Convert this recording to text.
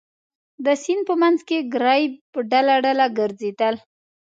د سیند په منځ کې ګرېب په ډله ډله ګرځېدل.